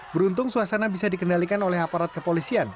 beruntung suasana bisa dikendalikan oleh aparat kepolisian